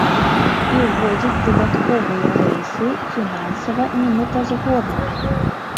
І ўводзіць дадатковыя рэйсы фінансава немэтазгодна.